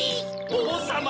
おうさま！